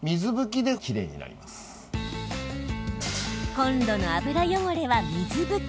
コンロの油汚れは水拭き。